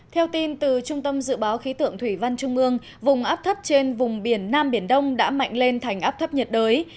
theo tin từ trung tâm dự báo khí tượng thủy văn trung ương vùng áp thấp trên vùng biển nam biển đông đã mạnh lên thành áp thấp nhiệt đới